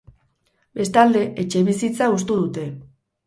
Bestalde, etxebizitza hustu dute.